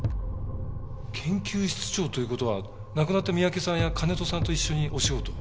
研究室長という事は亡くなった三宅さんや金戸さんと一緒にお仕事を？